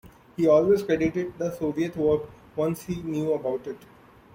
He always credited the Soviet work once he knew about it.